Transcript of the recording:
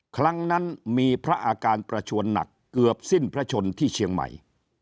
ครั้งนั้นมีพระอาการประชวนหนักเกือบสิ้นพระชนที่เชียงใหม่